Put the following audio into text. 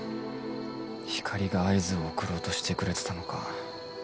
光莉が合図を送ろうとしてくれてたのか。